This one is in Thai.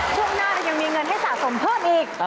ช่วงหน้าเรายังมีเงินให้สะสมเพิ่มอีก